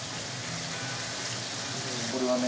これはね